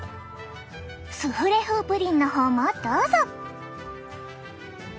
スフレ風プリンの方もどうぞ！